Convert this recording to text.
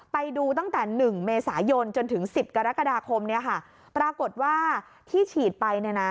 ไปดูตั้งแต่๑เมษายนจนถึง๑๐กรกฎาคมปรากฏว่าที่ฉีดไป